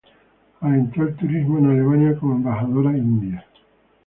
Alentó el turismo en Alemania como embajadora india.